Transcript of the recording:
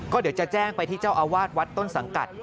ก็เดี๋ยวจะแจ้งไปที่เจ้าอาวาสวัดต้นสังกัด